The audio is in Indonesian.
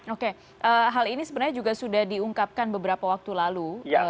oke hal ini sebenarnya juga sudah diungkapkan beberapa waktu lalu